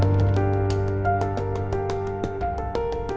dia tuh sangat bodoh